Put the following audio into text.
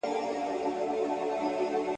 په خپل ژوند کي یې بوره نه وه څکلې ..